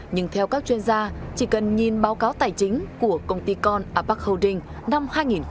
nhưng theo các chuyên gia chỉ cần nhìn báo cáo tài chính của công ty con apac holding năm hai nghìn hai mươi